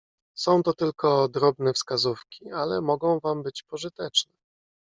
"Są to tylko drobne wskazówki ale mogą wam być pożyteczne."